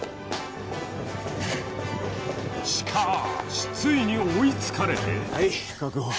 しかしついに追いつかれてはい確保。